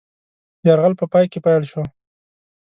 یرغل په پای کې پیل شو.